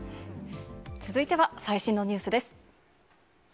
続いては最新のニュースです。